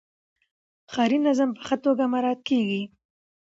ښاري نظم په ښه توګه مراعات کیږي.